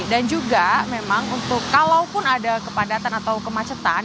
dan juga memang untuk kalaupun ada kepadatan atau kemacetan